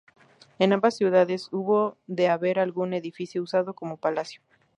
En ambas ciudades hubo de haber algún edificio usado como palacio.